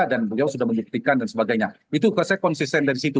dan beliau sudah menyuktikan dan sebagainya itu saya konsisten dari situ